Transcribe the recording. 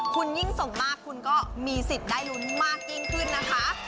คุณยิ่งสมบัติคุณก็มีสิทธิ์ได้ลุ้นมากขึ้นนะคะ